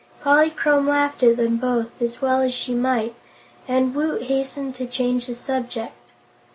Polychrome laughed at them both, as well she might, and Woot hastened to change the subject.